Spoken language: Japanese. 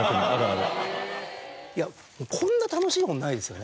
いやこんな楽しい本ないですよね。